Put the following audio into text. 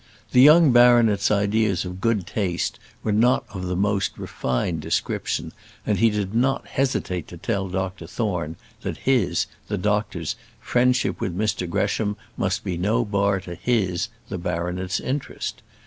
The young baronet's ideas of good taste were not of the most refined description, and he did not hesitate to tell Dr Thorne that his, the doctor's, friendship with Mr Gresham must be no bar to his, the baronet's, interest.